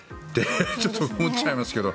ちょっと思っちゃいますけど。